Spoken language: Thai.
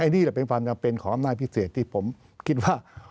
นี่แหละเป็นความจำเป็นของอำนาจพิเศษที่ผมคิดว่า